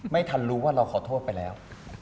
ไม่ทันรู้ว่าเราขอโทษไปแล้ว